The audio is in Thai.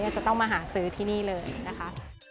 จะต้องมาหาซื้อที่นี่เลยนะคะ